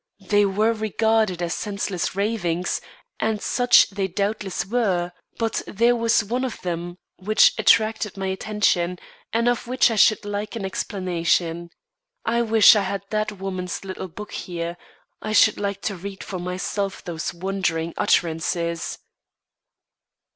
They were regarded as senseless ravings, and such they doubtless were; but there was one of them which attracted my attention, and of which I should like an explanation. I wish I had that woman's little book here; I should like to read for myself those wandering utterances."